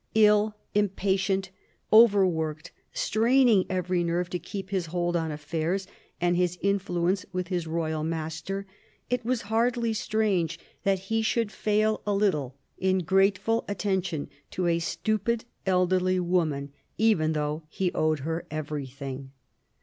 Ill, impatient, overworked, straining every nerve to keep his hold on affairs and his influence with his royal master, it was hardly strange that he should fail a little in grateful attention to a stupid elderly woman, even though he owed her everything.